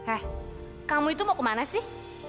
eh kamu itu mau kemana sih